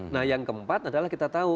nah yang keempat adalah kita tahu